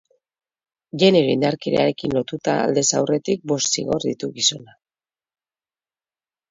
Genero indarkeriarekin lotuta aldez aurretik bost zigor ditu gizonak.